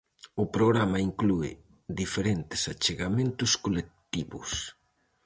O programa inclúe diferentes achegamentos colectivos.